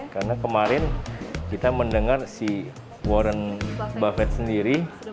karena kemarin kita mendengar si warren buffett sendiri